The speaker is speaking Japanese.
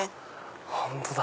本当だ！